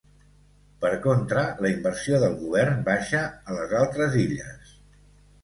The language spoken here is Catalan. Per contra, la inversió del govern baixa a les altres illes.